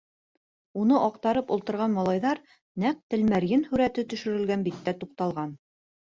Уны аҡтарып ултырған малайҙар нәҡ Тәлмәрйен һүрәте төшөрөлгән биттә туҡталған.